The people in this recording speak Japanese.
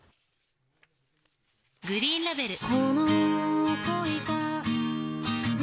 グリーンラベル。